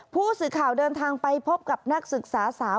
ผู้สื่อข่าวเดินทางไปพบกับนักศึกษาสาว